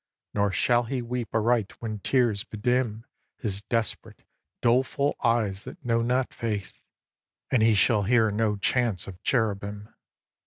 Nor shall he weep aright when tears bedim His desperate, doleful eyes that know not faith; And he shall hear no chants of cherubim.